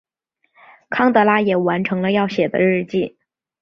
康拉德也完成了要写的日记。